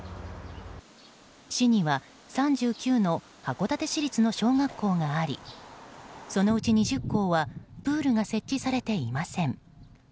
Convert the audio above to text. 市には３９の函館市立の小学校がありそのうち２０校はプールが設置されていません。